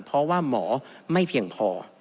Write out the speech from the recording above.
เพราะว่าหมอไม่เพียงพอ